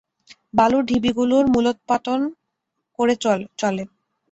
বালুর ঢিবিগুলোর মূলোৎপাটন করে চলে।